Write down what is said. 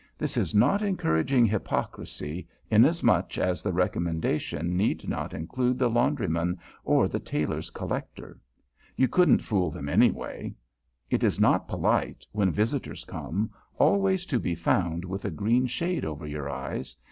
This is not encouraging hypocrisy, inasmuch as the recommendation need not include the laundryman or the tailor's collector. You couldn't fool them, anyway. It is not polite, when visitors come, always to be found with a green shade over your eyes.